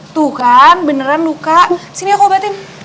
tuh kan beneran luka sini aku batin